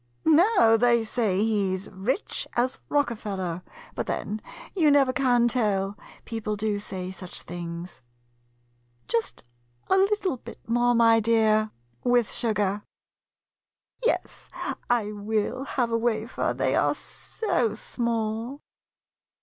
No, they say he 's rich as Rockefeller ; but, then, you never can tell — people do say such things. Just a little bit more, my dear, with sugar. Yes, I will have a wafer, they are so small.